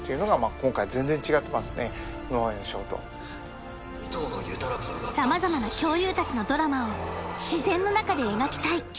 今までのショーとさまざまな恐竜たちのドラマを自然の中で描きたい